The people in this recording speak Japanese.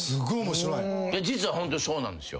実はホントそうなんすよ。